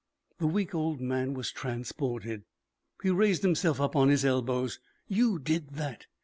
The weak old man was transported. He raised himself up on his elbows. "You did that!